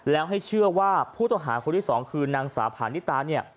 แล้วให้เชื่อว่าผู้ต้องหาคนที่สองคือนางสาวผานิตาเนี่ย